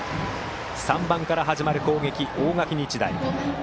３番から始まる攻撃、大垣日大。